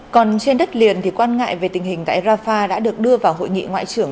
còn trên đất liền quan ngại về tình hình tại rafah đã được đưa vào hội nghị ngoại trưởng